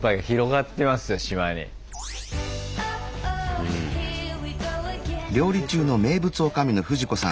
うん。